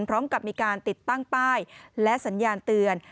พร้อมกับมีการติดตั้งป้ายและสัญญาณเตือน